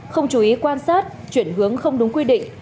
không chú ý quan sát chuyển hướng không đúng quy định